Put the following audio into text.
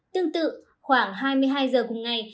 tương tự khoảng hai mươi hai h cùng ngày